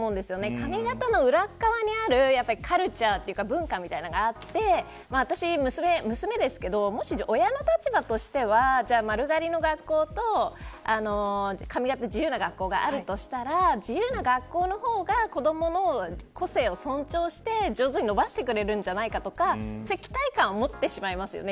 髪形の裏側にあるカルチャーというか文化みたいなのがあって私は娘ですけどもし、親の立場としては丸刈りの学校と髪形自由な学校があるとしたら自由な学校の方が子どもの個性を尊重して上手に伸ばしてくれるんじゃないかとかそういう期待感を持ってしまいますよね。